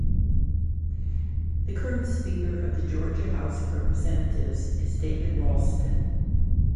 The current speaker of the Georgia House of Representatives is David Ralston.